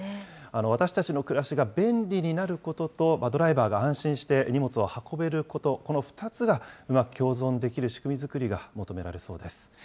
私たちの暮らしが便利になることと、ドライバーが安心して荷物を運べること、この２つがうまく共存できる仕組み作りが求められそうです。